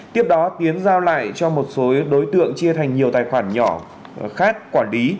tiếp đó tiến giao lại cho một số đối tượng chia thành nhiều tài khoản nhỏ khác quản lý